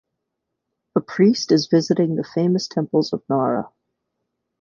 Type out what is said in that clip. A priest is visiting the famous temples of Nara.